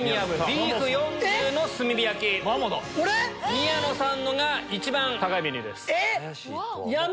⁉宮野さんのが一番高いメニュー。